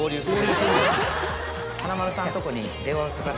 華丸さんのとこに。